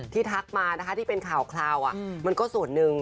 ทักมานะคะที่เป็นข่าวมันก็ส่วนหนึ่ง